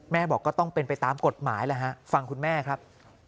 บอกก็ต้องเป็นไปตามกฎหมายแล้วฮะฟังคุณแม่ครับ